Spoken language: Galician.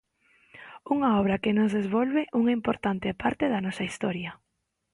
Unha obra que nos devolve unha importante parte da nosa historia.